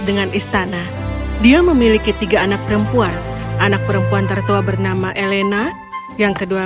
dengan istana dia memiliki tiga anak perempuan anak perempuan tertua bernama elena yang kedua